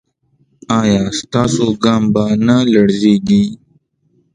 ایا ستاسو ګام به نه لړزیږي؟